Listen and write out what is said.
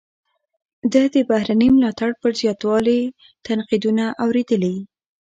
ده د بهرني ملاتړ پر زیاتوالي تنقیدونه اوریدلي.